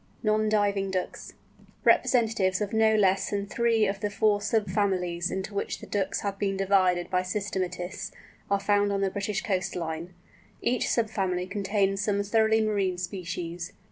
NON DIVING DUCKS. Representatives of no less than three of the four sub families into which the Ducks have been divided by systematists, are found on the British coast line. Each sub family contains some thoroughly marine species.